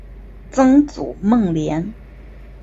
曾祖孟廉。